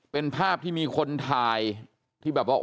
เป็นภาพที่มีคนถ่ายที่แบบว่า